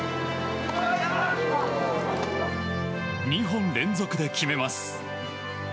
２本連続で決めます。